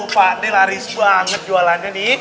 pak ini laris banget jualannya nih